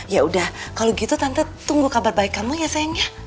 ya udah kalau gitu tante tunggu kabar baik kamu ya sayangnya